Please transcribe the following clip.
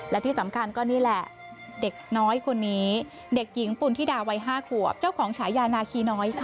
และที่สำคัญก็นี่แหละเด็กน้อยคนนี้เด็กหญิงปุณฑิดาวัย๕ขวบเจ้าของฉายานาคีน้อยค่ะ